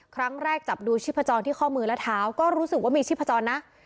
ครั้งแรกจับดูชีพจรที่ข้อมือและเท้าก็รู้สึกว่ามีชีพจรนะ